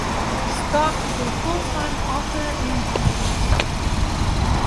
Stock is a full-time author and journalist.